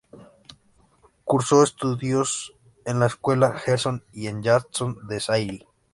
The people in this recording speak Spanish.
Cursó estudios en la escuela Gerson y en Janson-de-Sailly.